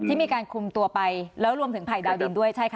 มีการคุมตัวไปแล้วรวมถึงภัยดาวดินด้วยใช่ค่ะ